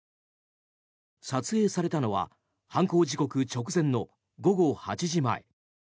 撮影されたのは犯行時刻直前の午後８時前。